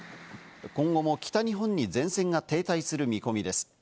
今後も北日本に前線が停滞する見込みです。